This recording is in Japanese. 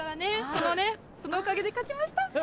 そのおかげで勝ちました！